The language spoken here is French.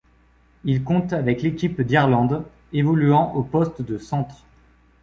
Il compte avec l'équipe d'Irlande, évoluant au poste de centre.